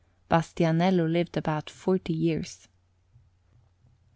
Bastianello lived about forty years.